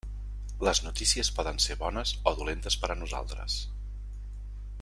Les notícies poden ser bones o dolentes per a nosaltres.